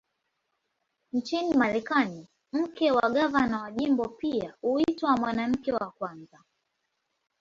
Nchini Marekani, mke wa gavana wa jimbo pia huitwa "Mwanamke wa Kwanza".